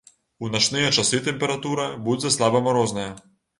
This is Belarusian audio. У начныя часы тэмпература будзе слабамарозная.